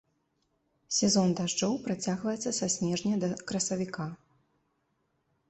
Сезон дажджоў працягваецца са снежня да красавіка.